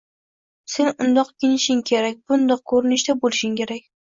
«Sen undoq kiyinishing kerak, bundoq ko‘rinishda bo‘lishing kerak!»